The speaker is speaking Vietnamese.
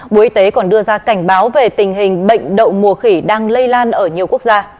bộ y tế còn đưa ra cảnh báo về tình hình bệnh đậu mùa khỉ đang lây lan ở nhiều quốc gia